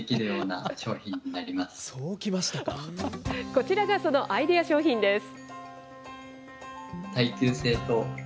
こちらがそのアイデア商品です。